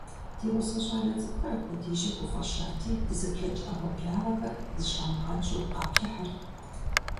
Ди гъусэ щIалэ цIыкIухэр апхуэдизкIэ гуфIэщати, дызыблэкI Iэгъуэблагъэр, зыщамыгъэнщIу, къаплъыхьырт.